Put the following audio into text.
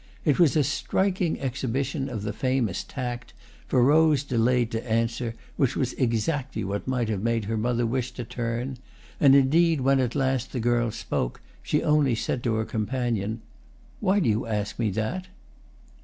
It was a striking exhibition of the famous tact, for Rose delayed to answer, which was exactly what might have made her mother wish to turn; and indeed when at last the girl spoke she only said to her companion: "Why do you ask me that?"